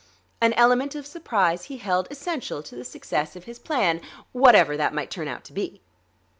An element of surprise he held essential to the success of his plan, whatever that might turn out to be.